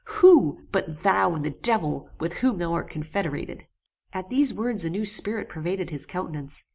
Who, but thou and the devil, with whom thou art confederated?" At these words a new spirit pervaded his countenance.